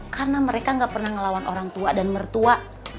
karena mereka gak pernah ngelawan orang tua dan mertua